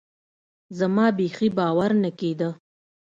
زما بيخي باور نه کېده.